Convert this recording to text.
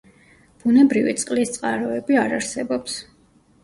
ბუნებრივი წყლის წყაროები არ არსებობს.